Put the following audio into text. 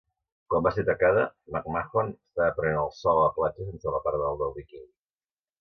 Quan va ser atacada, McMahon estava prenent el sol a la platja sense la part de dalt del biquini.